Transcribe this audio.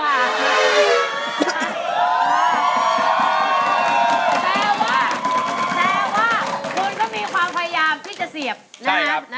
แปลว่าแปลว่าคุณก็มีความพยายามที่จะเสียบนะครับ